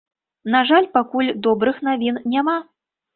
На жаль, пакуль добрых навін няма.